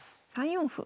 ３四歩。